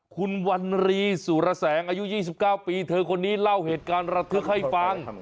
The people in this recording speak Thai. คุณวันรีสุรแสงอายุ๒๙ปีเธอคนนี้เล่าเหตุการณ์ระทึกให้ฟัง